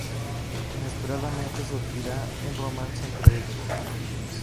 Inesperadamente, surgirá un romance entre ellas.